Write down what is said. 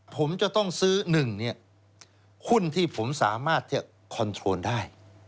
ผมจะต้องซื้อ๑เนี่ยหุ้นที่ผมสามารถจะคอนโทรลได้